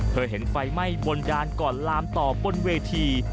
เห็นไฟไหม้บนดานก่อนลามต่อบนเวที